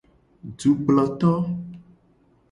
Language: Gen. Dukploto.